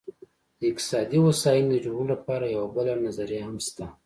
د اقتصادي هوساینې د جوړولو لپاره یوه بله نظریه هم شته.